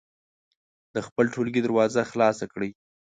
د خپل ټولګي دروازه خلاصه کړئ.